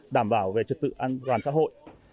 đảm bảo về trật tự an toàn xã hội